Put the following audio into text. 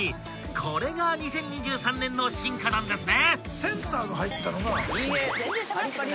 ［これが２０２３年の進化なんですね？］